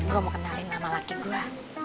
gue mau kenalin nama laki gue